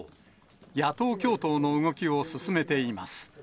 野党共闘の動きを進めています。